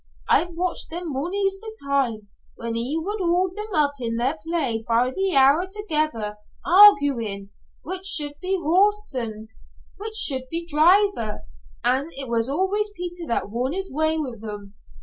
I've watched them mony's the time, when he would haud them up in their play by the hour together, arguyin' which should be horse an' which should be driver, an' it was always Peter that won his way wi' them.